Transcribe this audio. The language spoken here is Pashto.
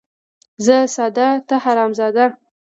ـ زه ساده ،ته حرام زاده.